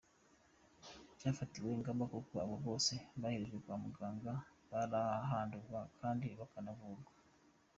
Cyafatiwe ingamba kuko abo bose boherejwe kwa muganga barahandurwa kandi bakanavurwa.